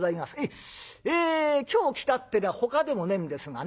ええ今日来たってのはほかでもねえんですがね